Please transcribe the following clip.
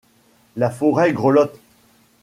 La forêt grelotte ;